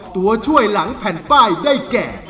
ตัวช่วยหลังแผ่นป้ายได้แก่